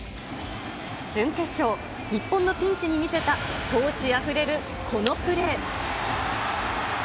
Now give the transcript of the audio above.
準決勝、日本のピンチに見せた闘志あふれるこのプレー。